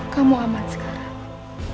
kamu aman sekarang